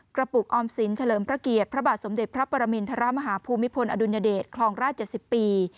ปุกออมสินเฉลิมพระเกียรติพระบาทสมเด็จพระปรมินทรมาฮภูมิพลอดุลยเดชคลองราช๗๐ปี